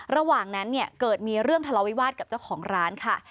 ระหว่างนั้นเนี่ยเกิดมีเรื่องทะเลาวิวาสกับเจ้าของร้านค่ะ